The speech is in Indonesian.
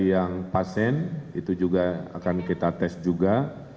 yang pasien itu juga akan kita tes juga